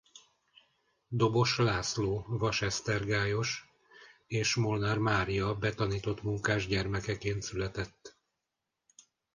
Dobos László vasesztergályos és Molnár Mária betanított munkás gyermekeként született.